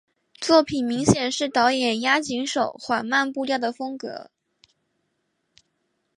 作品明显是导演押井守缓慢步调的风格。